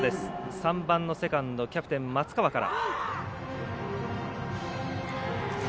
３番のセカンドキャプテン、松川から。